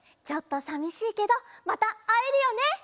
ちょっとさみしいけどまたあえるよね。